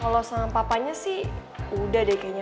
kalau sama papanya sih udah deh kayaknya